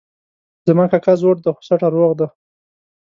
زما کاکا زوړ ده خو سټه روغ ده